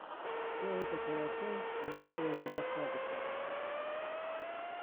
Все это хорошо, но этого недостаточно.